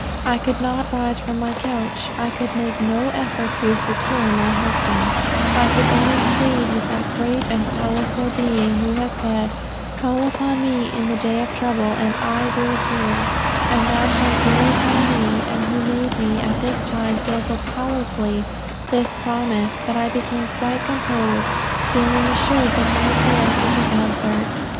I could not rise from my couch; I could make no efforts to secure my husband; I could only plead with that great and powerful Being who has said, 'Call upon me in the day of trouble and I will hear, and thou shalt glorify me;' and who made me at this time feel so powerfully this promise, that I became quite composed, feeling assured that my prayers would be answered."